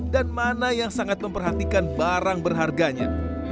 dan mana yang sangat memperhatikan barang berharganya